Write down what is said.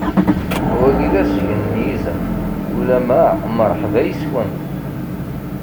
Wagi d asgen n yizem, ulama mṛeḥba yes-kunt.